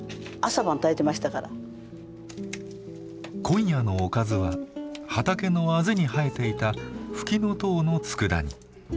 今夜のおかずは畑のあぜに生えていたフキノトウのつくだ煮。